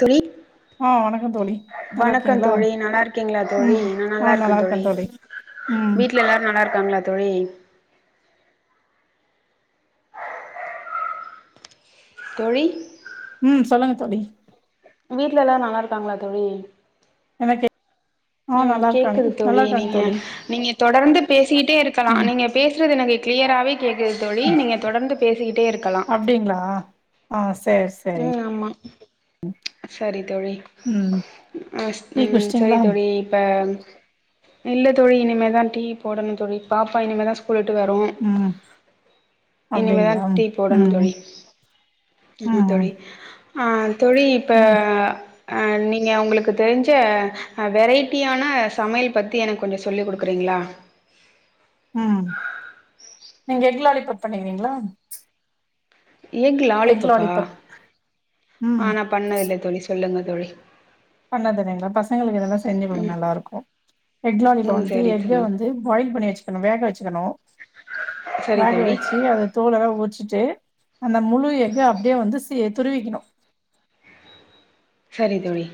தோழி ஆ வணக்கம் தோழி நல்லா வணக்கம் இருக்கீங்களா தோழி நல்லா இருக்கீங்ளா தோழி ம் நா ஆ நல்லா இருக்கன் இருக்கே தோழி ம் வீட்ல எல்லாரு நல்லா இருக்காங்களா தோழி தோழி ம் சொல்லுங்க தோழி வீட்ல எல்லாரு நல்லாருக்காங்ளா தோழி எனக்கு ம் கேக்குது தோழி இருக்காங்க நீங்க தோழி நீங்க தொடர்ந்து பேசிட்டே இருக்கலா ம் நீங்க பேசறது எனக்கு கிளியராவே கேக்குது தோழி நீங்க தொடர்ந்து பேசிகிட்டே இருக்கலா அப்டிங்ளா ஆ சேர் சே ம் ஆமா சரி தோழி ம் ம் டீ ம் சரி குடிச்சிட்டீங்களா தோழி இப்ப இல்ல தோழி இனிமேதா டீ போடணுந் தோழி பாப்பா இனிமேதா ஸ் ஸ்கூலுட்டு வரு ம் இனிமே தா அப்டிங்களா டீ போடணு ம் தோழி ஆமா ம் தோழி ஆ தோழி இப்ப ம் அ நீங்க ஒங்ளுக்கு தெரிஞ்ச வெரைட்டியான சமையல் பத்தி எனக்கு கொஞ்ச சொல்லிக் குடுக்குறீங்களா ம் நீங்க எக்லாலிப்பப் பண்ணிர்கிங்ளா எக் லாலிபப்பா லாலிபப் ம் ஆ நா பண்ணதில்ல தோழி சொல்லுங்க தோழி பண்ணதில்லைங்ளா பசங்களுக்கு இதெல்லா செஞ்சி குடுங்க ம் நல்லா இருக்கு எக் ம் லாலிபப்புக்கு சரி எக்க சொல்லுங் வந்து பாயில் பண்ணி வச்சுக்கணு வேக வச்சுக்கணு சரி வேக தோழி வச்சி அத தோலளா உரிச்சிட்டு அந்த முழு எக்க அப்டியே வந்து சி துருவிகிணு சரி தோழி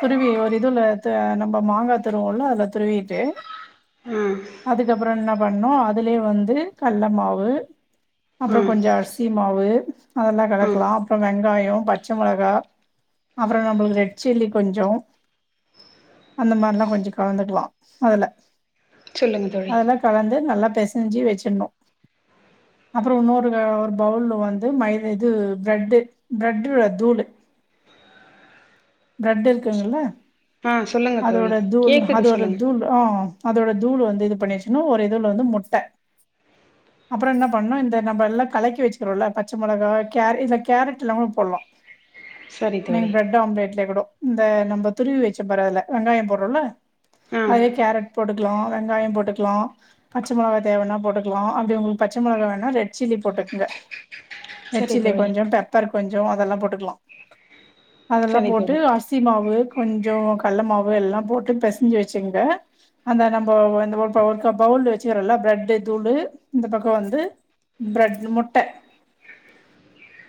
துருவி ஒரு இதுல த நம்ம மாங்கா துருவோல அதுல துருவிட்டு ஆ அதுக்கப்றோ என்ன பண்ணோ அதுலே வந்து கள்ள மாவு ஆ அப்றோ கொஞ்ச அரிசி மாவு அதெல்லா ஆ கலக்லா அப்றோ வெங்காயோ பச்ச மொளகா அப்றோ நம்ளுக்கு ரெட் சில்லி கொஞ்சோ அந்த மார்லா கொஞ்ச கலந்துக்லா அதுல சொல்லுங்க தோழி இப்ப வந்து நல்லா பெசஞ்சி வெச்சிட்ணு அப்றோ இன்னொரு பவுல்ல வந்து மைத இது பிரெட்டு் பிரெட்டுல தூளு பிரெட்டு இருக்குங்ல்ல ம் அதோட தூள் அதோட தூள் ஆ அதோட தூள் வந்து இது பண்ணியாச்னா ஒரு இதுல வந்து முட்ட அப்றோ என்ன பண்ணு இந்த நம்ம எல்லா கலக்கி வச்சுகறோல பச்ச மொளகா கேர இதுல கேரட்லாமே போட்லா சரி நீங்க தோழி பிரெட் ஆம்லெட்லே கூட இந்த நம்ம துருவி வச்ச பார் அதுல வெங்காய போட்றோல ஆ அதே கேரட் போட்டுக்லா வெங்காய போட்டுக்லா பச்ச மொளவா தேவனா போட்டுக்லா அப்டி ஒங்ளுக்கு பச்ச மொளகா வேணா ரெட் சில்லி போட்டுகுங்க ரெட் சரி சில்லி தோழி கொஞ்சோ பெப்பர் கொஞ்சோ அதெல்லா போட்டுக்லா அதெல்லா சரி போட்டு தோழி அரி சி மாவு கொஞ்சோ கள்ள மாவு எல்லா போட்டு பெசஞ்சி வச்சுகங்க அந்த நம்ம இந்த ப க பவுல்ல வச்சுகறோல பிரெட் தூளு இந்த பக்க வந்து பிரெட் முட்ட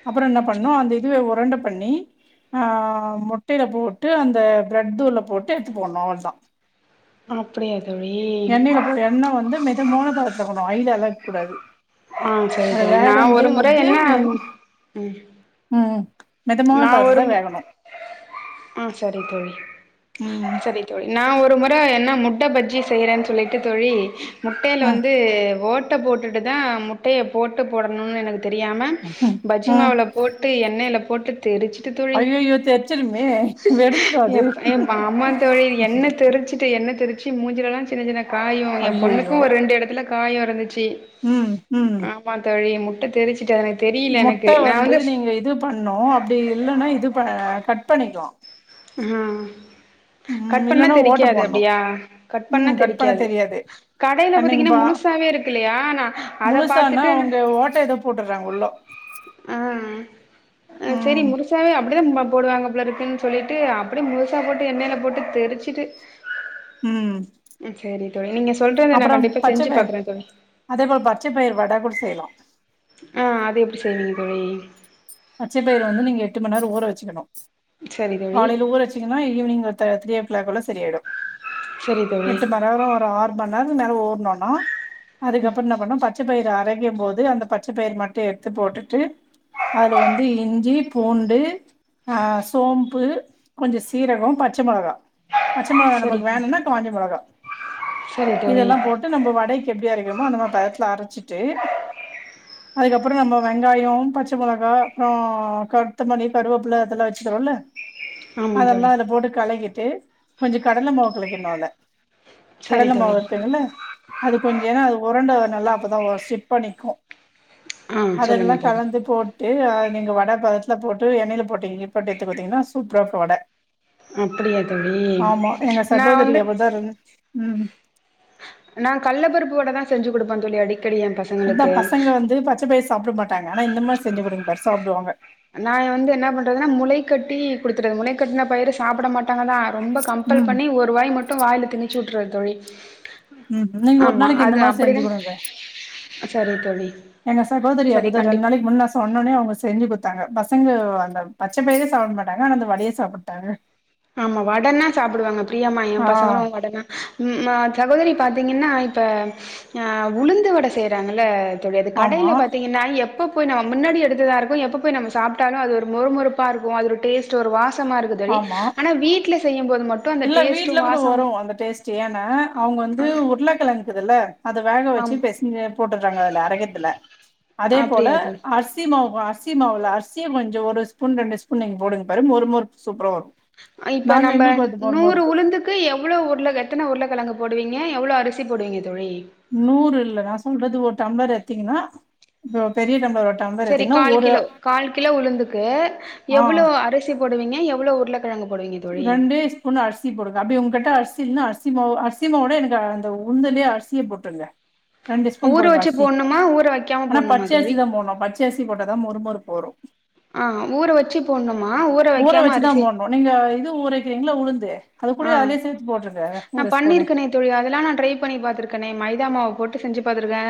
அப்றோ என்ன ச பண்ணு அந்த இதுவே ஒரண்ட பண்ணி ஆ முட்டைல போட்டு அந்த பிரெட் தூள போட்டு எடுத்து போணு அவ்ளதா அப்டியா தோழி போ எண்ணெ வந்து மிதமான பதத்துல இருக்குணு ஹய்லலா வெக்கூடாது ஆ சரி அது தோழி நா வேகந்தே ஒரு முறை வந்து என்ன நி ம் ம் மிதமான நா பதத்துல ஒரு தா வேகணு அ சரி தோழி ம் சரி தோழி நா ஒரு முற என்னா முட்ட பஜ்ஜி செய்றேன் சொல்லிட்டு தோழி முட்டைல ம் வந்து ஓட்ட போட்டுட்டு தா முட்டைய போட்டு போடணுனு எனக்கு தெரியாம ம் பஜ்ஜி ம் மாவுல போட்டு எண்ணெய்ல போட்டு தெரிச்சிட்டு தோழி ஐயையோ தெரிச்சிருமே வெடிஞ்சிடு எ அது ஆமா தோழி எண்ணெ தெரிச்சி ட்டு எண்ணெ தெருச்சி மூஞ்சிலலா சின்ன சின்ன காயோ ஏ பொண்ணுக்கு ஐயையோ ஒரு ரெண்டு எடத்துல காய இருந்துச்சி ம் ம் மா தோழி முட்ட தெரிச்சிட்டு அதன முட்ட வந்து நீங்க இது பண்ணு அப்டி இல்லன்னா இது ப கட் பண்ணிக்கலா ம் ம் கட் பண்ணா இல்லன்னா ஓட்ட தெரிக்காது போட்ணு அப்டியா கட் பண்ணா ம் பண்ண தெரிக்காது தெரியாது கடையில பாத்தீங்கன்னா கண்ணிங்பா முழுசாவே இருக்குலையா நா அத முழுசானா பாத்துட்டு அவங்க ஓட்ட ஏதோ போட்டுறாங்க உள்ளோ ஆ ஆ சரி ம் முருசாவே அப்டிதா ப போடுவாங்க போல இருக்குன் சொல்லிட்டு அப்டி முழுசா போட்டு எண்ணெய்ல போட்டு தெரிச்சுட்டு ம் சேரி தோழி நீங்க சொல்றத ந அப்புறம் கண்டிப்பா பச்ச செஞ்சு பயிர் பாக்குற தொழி அதே போல பச்ச பயிரு வட கூட செய்யலா ஆ அது எப்டி செய்வீங்க தோழி பச்ச பயிரு வந்து நீங்க எட்டு மண்நேர ஊற வச்சுக்கணு சரி தோழி காலையில் ஊற வச் சிங்கன்னா ஈவினிங் ஒரு த த்ரீ ஓ கிளாக்குல்ல சரியாயிடு சரி தோழி எட்டு மரர ஒரு ஆறு ஒரு மண் நேர்த்துக்கு மேல ஊர்னோன்னா அதுக்கப்பற என்ன பண்ணு ப ச்ச பயிரு அரைக்கும் போது அந்த பச்ச பயிர் மட்டு எத்து போட்டுட்டு அதுல வந்து இஞ்சி பூண்டு ஆ சோம்பு கொஞ்ச சீரகோ பச்ச மெளகா பச்ச மெளக சரி நமக் தோழி வேணுனா காஞ்சமெளா சரி இது தோழி எல்லா போட் டு நம்ம வடைக்கு எப்படி அறைக்கிறோமோ அந்த மா பதத்துல அரச்சிட்டு அதுக்கப்பறோ நம்ம வெங்காயோ பச் பச்ச மிளகா அப்புறோ கருத்தமணி கருவேப்பில அதெல்லா வச்சுக்கரோல்ல ஆமா அதல்லா தோழி அதல போட்டு கலகிட்டு கொஞ்ச கடல மாவ் கலக்கிடணு அதுல சரி கடல தோழி மாவு இருக்குங்கல்ல அது கொஞ்ச ஏன்னா அது உறண்ட நல்லா அப்பதா ஒர் சிப்பா நிக்கு ஆ அதெல்லா சொல்லுங்க தோழி கலந்துட் போட்டு அது நீங்க வட பதத்துல போட்டு எண்ணெயில போட்டீங்கப்போட்டு எத்துக் பாத்தீங்கன்னா சூப்பரா இக்கு வட அப்படியா தோழி ஆமா எங்க நா சகோதரி வந்து அப்படித்தா இருக்கணுன் ம் நா கள்ள பருப்பு வட தா செஞ்சு கொடுப்பே தோழி அடிக்கடி எ பச அதா பசங்க வந்து பச்ச பயிர் சாப்பட மாட்டாங்க ஆனா இந்த மார் செஞ்சு கொடுங்க பார் சாப்டுவாங்க நா வந்து என்ன பண்றதுன்னா முளைக்கட்டி கொடுத்துறது முளைக்கட்ன பயிர சாப்பட மாட்டாங்க தா ரொம்ப கம்பல் ம் பண்ணி ஒரு வாய் மட்டு வாயில திணிச்சு உட்ருவ தோழி ம் நீங்க ஒரு ஆமா நாளைக்கு இந்த அது மார் செஞ்சு அப்படிதா கொடுங்க சரி தோழி எங்க சகோதரி சரி அப்போதா ரெண் கண்டிப்பா நாளைக் முன்ன சொன்னோனே அவங்க செஞ்சு குத்தாங்க பசங்க அந்த பச்ச பயிரே சாப் மாட்டாங்க ஆனா அந்த வடைய சாப்புட்டாங்க ஆமா வடன்னா சாப்புடுவாங்க பிரியம்மா எ ஆ பசங்கங்களு வடன்னா ம் அ சகோதரி பாத்தீங்கன்னா இப்ப ஆ உளுந்து வட செய்றாங்கல்ல தோழி அது ஆமா கடையில பாத்தீங்கன்னா எப் எப்ப போய் நம் முன்னாடி எடுத்ததா இருக்கு எப்ப போய் நம்ம சாப்ட்டாலு அது ஒரு மொறு மொறுப்பா இருக்கு அதோட டேஸ்ட் டு ஒரு வாசமா இருக்கு தோழி ஆமா ஆனா வீட்டுல செய்யும்போது மட் இல்ல வீட்டுல கூட வரு அந்த டேஸ்ட்டு ஏன்னா அவங்க வந்து உருளக்கிழங்குக்குதுல்ல அது வேக ஆமா வச்சு பெஸ்ஞ்சு போட்டுற்றாங்க அதல அரக்கத்துல அதே போல அப்டியா தோழி அரிசிமாவு அரிசி சி மாவுல அரிசிய கொஞ்சோ ஒரு ஸ்பூன் ரெண்டு ஸ்பூன் நீங் போடுங் பாரு மொறு மொரூப் சூப்பரரா வரு இப்ப நாங்க நம்ம எங்களுக்கு வருது மொறு நூறு மொறுப்பு ஊ ளுந்துக்கு எவ்வளோ உருள எத்தன உருளக்கெழங்கு போடுவீங்க எவ்ளோ அரிசி போடுவீங்க தோழி நூறு இல்ல நா சொல்றது ஓர் டம்ளர் எத்தீங்கன்னா இப்ப பெரிய டம்ளர் ஓ செரி கால் கிலோ கால் கிலோ உளுந்துக்கு ஆ எவ்ளோ அரிசி போடுவீங்க எவ்ளோ உருள கிழங்கு போடுவீங்க தோழி ரண்டேஸ் ன்னு அரிசி போடுங்க அப்டி உங்ககிட்ட அரிசில்ன்னா அரிசி அசிமாவோ அரிசி அசிமாவோட எனக்கு அந்த உளுந்தலேயே அரிசிய போடுங்க ரெண்டு ஸ்பூன் ஊற போடுங்க வச்சு அரிசி போடணுமா ஊற வைக்காம ஆனா போடணுமா பச்ச அரிசி தோழி தான் போடன்னு பச்ச அரிசி போட்ட தான் மொறு மொறுப்பு வரும் ஆ ஊற வச்சு போடணுமா ஊற வைக்காம வச்சுதா அரிசி போட்ணு நீங்க இது ஊரைக்கிறீங்களா உளுந்து அது கூட ஆ அதிலேயே சேர்த்து போட்டுருங்க நா ஒரு ஸ்பூனு பண்ணிருக்கனே தோழி அதெல்லா நான் ட்ரை பண்ணி பாத்துருக்கேனே மைதா மாவு போட்டு செஞ்சு பாத்துருக்கே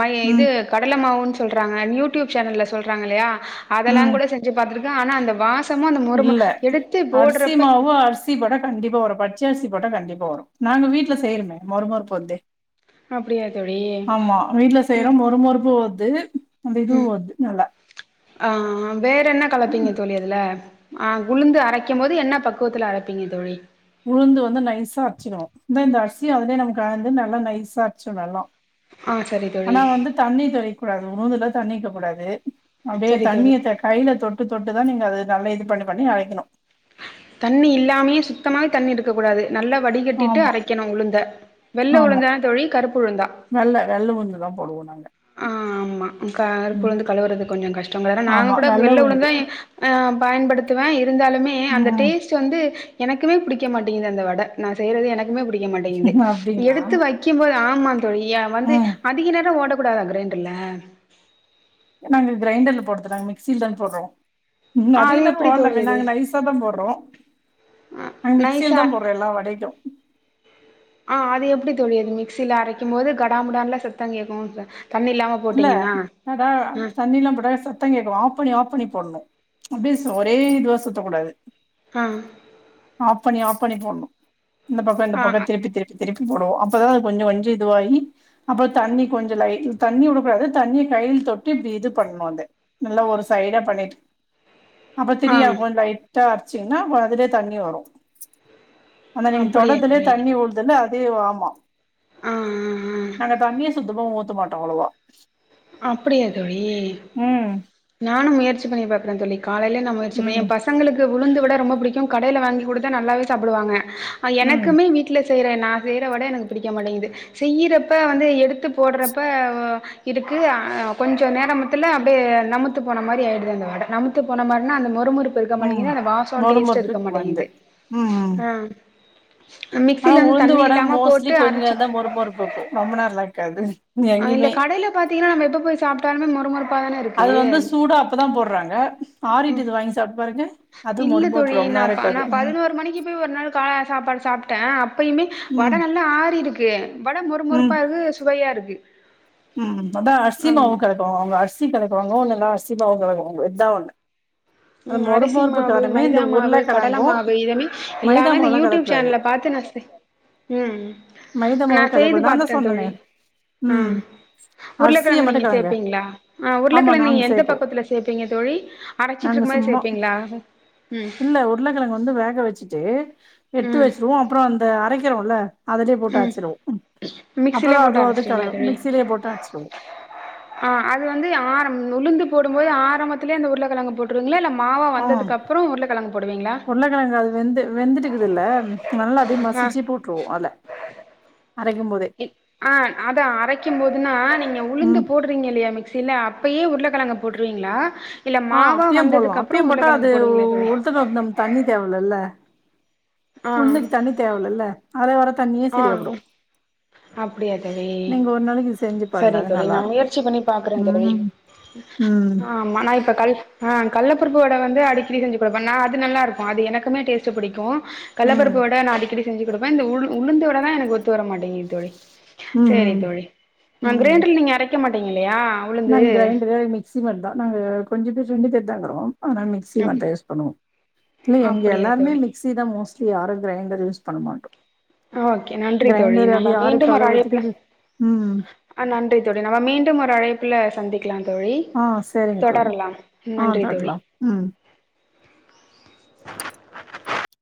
மை இது ம் கடலமாவுனு சொல்றாங்க யூடூயூப் சேனல் சொல்றாங்க இல்லையா அதெல்லா ம் கூட செஞ்சு பாத்துருக்க ஆனா அந்த வாச சுத்தமா அந்த மொறு இல்ல மொறு எடுத்து அரிசி போடுறப்ப மாவு அரிசி போடா கண்டிப்பா வரும் பச்ச அரிசி போட்டா கண்டிப்பா வரும் நாங்க வீட்ல செய்யருமே மொறு மொறு பொந்து அப்டியா ஆமா வீட்டுல தோழி செய்யறோ மொறு மொறுப்பு வருது அந்த இதுவு வருது நல்லா ஆ வேற என்ன கலப்பீங்க தோழி அதுல ஆ உளுந்து அரைக்கும் போது என்ன பக்குவத்துல அரைப்பீங்க தோழி உளுந்து வந்து நைசா அரச்சிடுவோ இந்த இந்த அரிசியும் அதிலே நம்ம கலந்து நல்லா நைசா அரச்சிடுவே எல்லா ஆ செரி தோழி ஆனா வந்து தண்ணி தெளிக்ககூடாது உளுந்துல தண்ணி இருக்க கூடாது அப்டியே சரி தோழி தண்ணிய தக் கையில தொட்டு தொட்டு தா நீங்க அத நல்லா இது பண்ணி பண்ணி அரைக்கனும் தண்ணி இல்லாமே சுத்தமா தண்ணி இருக்க கூடாது நல்ல வடிகட்டிட்டு ஆமா அரைக்கணும் உளுந்த‌ வெள்ள உளுந்தா தோழி கருப்பு உளுந்தா நல்ல வெள்ள உளுந்துதா போடுவோம் நாங்க ஆ ஆ ஆமா கருப்பு ம் உளுந்து கழுவுறது கொஞ்சோ கஷ்டம் வேற நாங்க ஆமா கூட வெள்ள உளுந்து உளுந்தா ஆ பயன்படுத்துவேன் இருந்தாலுமே அந்த ம் டேஸ் ட்டு வந்து எனக்குமே புடிக்க மாட்டேங்குது அந்த வட நா செய்யறது எனக்குமே புடிக்க மாட்டேங்குது அப்டிங்களா எடுத்து வை க்கும் போது ஆமா தோழி வந்து ம் அதிக நேரம் ஓடக்கூடாதா கிரைண்டர்ல நாங்க கிரைண்டர்ல போடுறதில்ல மிக்சியில தா போடுறோம் ம் ஆ அதிக அது நேரோ எப்டி தோழி ஓடலாமே அது நாங்க நைசா தா போடுறோ ஆ நா மிக்சியில நைஸா தா போடுறோ எல்லா வடைக்கும் ஆ அது எப்டி தோழி அது மிக்சில அரைக்கும் போது கடாமுடான்ல சத்தம் கேட்கும் தண்ணியில்லாம இல்ல அதா தண்ணில்லா போட்டா சத் தங் கேக்கும் ஆஃப் பண்ணி ஆஃப் பண்ணி போடணும் அப்டியே ஒரே இதுவ சுத்தக்கூடாது ஆ ஆஃப் பண்ணி ஆஃப் பண்ணி போடணும் இந்த பக்கம் இந்த ஆ பக்கம் திருப்பி திருப்பி திருப்பி போடுவோம் அப்பதான் அது கொஞ்சோ கொஞ்சோ இதுவாகி அப்புறோ தண்ணி கொஞ்சோ லைட் தண்ணிவுடு கூடாது தண்ணி கையில் தொட்டு இப்டி இது பண்ணுவோ அது நல்லா ஒரு சைடா பண்ணிட்டு அப்ப ஆ ஆ திரியாப்போ லைட்டா அடிச்சீங்கன்னா அதுலயே தண்ணி வரும் ஆனா நீங்க அப்டியா தொடர்த்துலே தோழி தண்ணி ஊத் த்துணு அதே வா ஆம்மா ஆ ஆ ஆ நாங்க தண்ணியே சுத்தமா ஊத்த மாட்டோம் அவ்வளவா அப்டியா தோழி ம் நானும் முயற்சி பண்ணி பாக்குறேன் தோழி காலையில நம்ம முயற்சி ம் பண்ணி எ பசங்களுக்கு உளுந்து வட ரொம்ப புடிக்கும் கடையில வாங்கி கொடுத்த நல்லாவே சாப்பிடுவாங்க ஆ ம் எனக்குமே வீட்டு ல செய்யறேன் நா செய்ற வடை எனக்கு புடிக்க மாட்டேங்குது செய்யிறப்ப வந்து எடுத்து போடுறப்ப இருக்கு ஆ கொஞ்ச நேரம்த்தில அப்டியே நமுத்து போன மாரி ஆகிடுது அந்த வடை நமுத்து போன மாரினா அந்த மொறுமொறுப்பு இருக்க ம் மாட்டேங்குது அந்த வாசோ மொறு டேஸ்ட் இருக்க மொறுப்புக்கு வந்து மாட்டேங்குது ம் ம் ஆ மிக்சில வந்து தண்ணி இல்லாம போட்டு அரச்சு மேர் மேர்க்கும் ரொம்ப நல்லாருக்காது ஆ இல்ல கடையில பாத்தீங்கன்னா நம்ம எப்ப பேய் சாப்ட்டாலும் மொறு மொறுனு அது வந்து சூடா அப்பதா போடுறாங்க ஆரிட்டது வாங்கி சாப்ட்டு பாருங்க அது மொறு இல்ல தோழி மொறுப்பு ரொம்ப நா நேர நா இருக்காது ம் பதினோரு மணிக்கி போய்‌ ஒரு நாள் கால சாப்பாடு சாப்ட்டே அப்பயுமே வட ம் நல்லா ஆறி இருக்கு வட மொறு ம் மொறுப்பா இருக்கு சுவையா இருக்கு ம் அதா அரிசிமாவு ஆமா கலக்குவாங்க அவுங்க அரிசி கலக்குவாங்கோ இல்லன்னா அரிசிமாவ் கலக்குவாங்க இத்தா ஒண்ணு ம் அரிசி மாவு இந்த மைதா மாவு கடல உருளக்கெழங்கு மாவு இதமே மைதா இல்லாம இந்த மாவுலா யூடியூப் கலக்கக்கூடாது சேனல்ல பாத்து நா ம் மைதா நா மாவு செய்து கலக்கக்கூடாது நா தா பாத்துட்டே சொன்னனே தோழி ம் அரிசிய உருளக்கெழங்கு மட்டு நீங்க கலங்க சேப்பீங்களா ஆ ஆமா உருளக்கெழங்கு நாங்க நீங்க எந்த சேக்குவோ பக்குவத்துல சேப்பீங்க தோழி அரை ச்சிட்டு நாங்க இருக்கம்போதே சும்மா சேப்பீங்களா ம் இல்ல உருளக்கெழங்கு வந்து வேக வச்சுட்டு எடுத்து ம் வச்சிருவோ அப்றோ அந்த அரைக்கிறோல்ல அதுலயே போட்டு ம் அச்சுடுவோ அப்றோ மிக்சிலே போட்டு அதுவும் அது க அரச்சிருவீங்களா தோழி மிக்சியிலேயே போட்டு அச்சுடுவோ ஆ அது வந்து ஆ உளுந்து போடும் போது ஆரம்பத்துலயே அந்த உருளக்கெழங்க போட்டு ம் போடுவீங்களா உருளக்கெழங்க அது வெந்து வெந்துட்டுக்குதுல்ல நல்லா அப்டியே ஆஹா மசிச்சு போட்ருவோ அதுல அரைக்கும் போதே ஆ அத அரைக்கும் போதுனா நீங்க உளுந்து ம் போடு வீங்க இல்லையா மிக்சில அப்பயே உருளக்கெழங்க போட்ருவீங்களா ஆ அப்பயம் போட்லா அப்பியம் போட்டா அது போடுவீங்களா தோழி உளுத்தம் பருப்பு நம்ம தண்ணி தேவல்லல்ல ஆ உளுந்துக்கு தண்ணி தேவலல்ல அதில வர தண்ணியே சரியாப்படும் அப்டியா தோழி செஞ்சு பாருங்க சரி அது தோழி நல்லா நா இருக்கு முயற்சி பண்ணி பாக்குறே தோழி ம் ம் ஆமா நா இப்ப கல் அ கல்ல பருப்பு வட வந்து அடிக்கடி செஞ்சு குடுப்பன் நா அது நல்லாருக்கும் அது எனக்குமே டேஸ்ட்டு பிடிக்கும் கல்ல ம் பருப்பு வட நா அடிக்கடி செஞ்சு குடுப்பன் இந்த உ உளுந்து வடதா எனக்கு ஒத்துவர மாட்டேங்குது தோழி ம் சேரி ம் தோழி நா ம் கிரைண்ட்ருல நீங்க அரைக்க மாட்டீங்கில்லியா நாங்க கிரைண்ட்ரு மிக்சி மட்தா நாங்க கொஞ்ச பேர் ரெண்டு பேர்தாக்குறோ ஆனால மிக் க்சி அப் மட்டும் யூஸ் பண்ணுவோ இல்ல எங்க அப்படியா எல்லாருமே தோழி மிக்சி தா மோஸ்ட்லி யாரும் கிரைண்டர் யூஸ் பண்ண மாட்டோ ஓகே நன்றி தோழி கிரைண்டர் அது நம்ப யாரு மீண்டும் ஒரு அழைப்புல கழுவத்துக்கு அது ம் ஆ நன்றி தோழி நம்ம மீண்டும் ஒரு அழைப்புல சந்தி க்கலாந்தோழி ஆ சரிங்க தோழி தொடரலாம் ம் ஆ நன்றி தோழி தட்டலாம் ம்